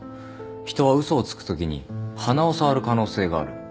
人は嘘をつくときに鼻を触る可能性がある。